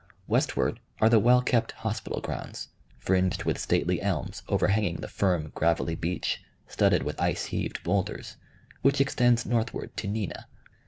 Westward are the well kept hospital grounds, fringed with stately elms overhanging the firm, gravelly beach, studded with ice heaved bowlders, which extends northward to Neenah.